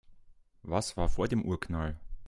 Was war vor dem Urknall?